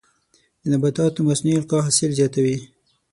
د نباتاتو مصنوعي القاح حاصل زیاتوي.